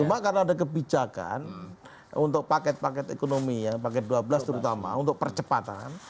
cuma karena ada kebijakan untuk paket paket ekonomi ya paket dua belas terutama untuk percepatan